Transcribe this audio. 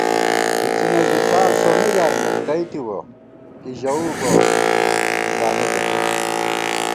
اِڅِنہ ژِݪاں سومّی گائیمېت تَئیتِوَہ، کی ژَؤو بہ دامېتہ تو